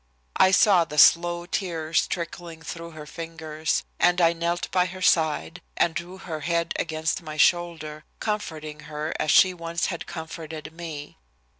I saw the slow tears trickling through her fingers, and I knelt by her side and drew her head against my shoulder, comforting her as she once had comforted me.